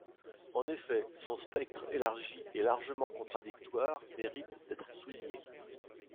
En effet, son spectre élargi et largement contradictoire mérite d'être souligné.